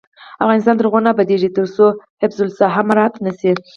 افغانستان تر هغو نه ابادیږي، ترڅو حفظ الصحه مراعت نشي.